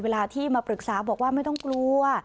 เวลาที่มาปรึกษาบอกว่าไม่ต้องกลัว